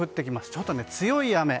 ちょっと強い雨。